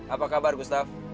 apa kabar gustaf